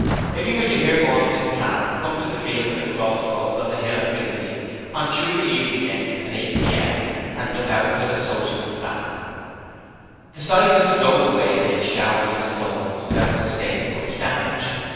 If you wish to hear more of this plan, come to the field at the Cross Roads on the hill at Windley, on Tuesday evening next at 8 P.M. and LOOK OUT FOR THE SOCIALIST VAN The cyclists rode away amid showers of stones without sustaining much damage.